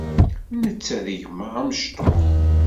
Netta d gma amecṭuḥ.